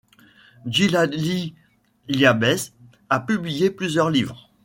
Djilali Liabès a publié plusieurs livres.